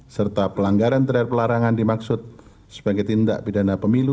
serta pelanggaran terhadap pelarangan dimaksud sebagai tindak pidana pemilu